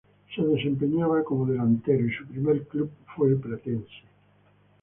Se desempeñaba como delantero y su primer club fue Platense.